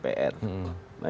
nah jadi strukturnya